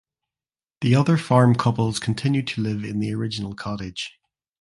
The other farm couples continued to live in the original cottage.